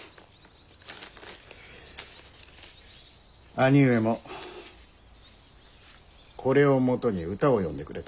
兄上もこれをもとに歌を詠んでくれと。